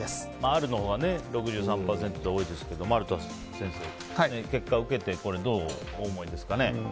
あるのほうが６３％で多いですけど丸田先生結果を受けてどうお思いですか？